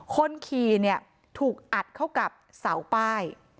คนขี่เนี่ยถูกอัดเข้ากับเสาป้าย